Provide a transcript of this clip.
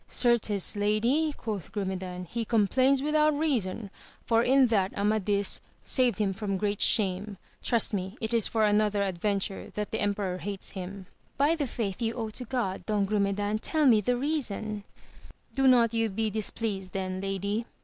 Certes Lady, quoth Grumedan, he complains without reason, for in that Amadis saved him from great shame ; trust me it is for another adventure that the emperor hates him. ^By the faith you. owe to God, Don Grumedan, tell me the reason. — Do not you be displeased then Lady!